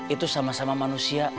itu sama sama manusia